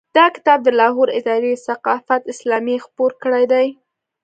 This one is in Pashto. دا کتاب د لاهور اداره ثقافت اسلامیه خپور کړی دی.